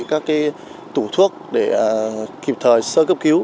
các tủ thuốc để kịp thời sơ cấp cứu